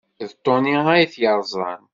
D Tony ay t-yerẓan.